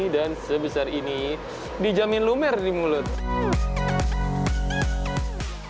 dan sebesar ini dijamin lumer di mulut